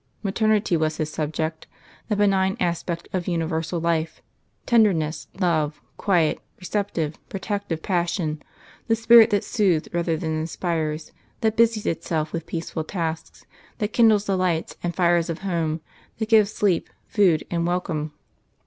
Maternity was his subject that benign aspect of universal life tenderness, love, quiet, receptive, protective passion, the spirit that soothes rather than inspires, that busies itself with peaceful tasks, that kindles the lights and fires of home, that gives sleep, food and welcome....